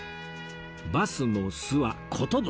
バスの「ス」は「寿」